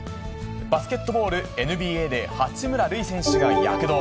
バスケットボールＮＢＡで、八村塁選手が躍動。